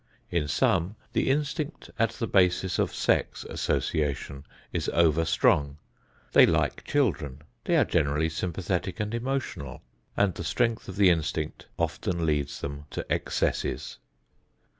In some the instinct at the basis of sex association is over strong; they like children; they are generally sympathetic and emotional, and the strength of the instinct often leads them to excesses.